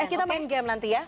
kita main game nanti ya